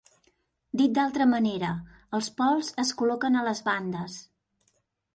Dit d'altra manera, els pols es col·loquen a les bandes.